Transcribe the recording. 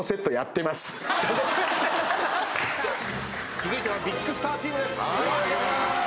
続いてはビッグスターチームです。